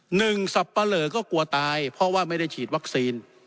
สับปะเหลอก็กลัวตายเพราะว่าไม่ได้ฉีดวัคซีน